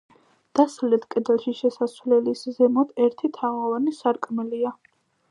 დასავლეთ კედელში შესასვლელის ზემოთ ერთი თაღოვანი სარკმელია.